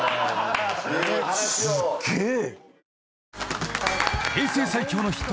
すっげえ。